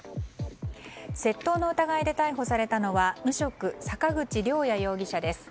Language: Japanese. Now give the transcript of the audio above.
窃盗の疑いで逮捕されたのは無職、坂口亮也容疑者です。